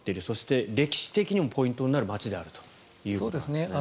そして歴史的にもポイントになる街だということなんですね。